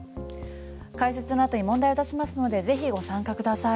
解説のあとに問題を出しますのでぜひご参加ください。